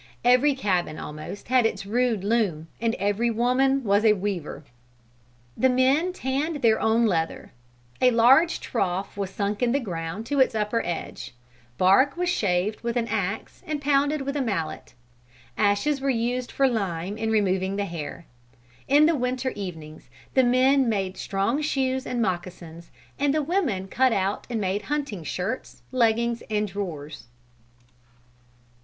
Every cabin almost had its rude loom, and every woman was a weaver. The men tanned their own leather. A large trough was sunk in the ground to its upper edge. Bark was shaved with an axe and pounded with a mallet. Ashes were used for lime in removing the hair. In the winter evenings the men made strong shoes and moccasins, and the women cut out and made hunting shirts, leggins and drawers.